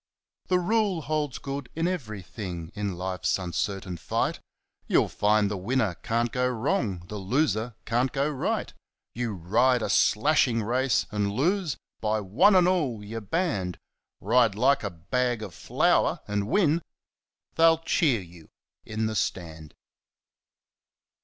The rule holds good in everything in life's uncertain fight; You'll find the winner can't go wrong, the loser can't go right. You ride a slashing race, and lose by one and all you're banned! Ride like a bag of flour, and win they'll cheer you in the Stand.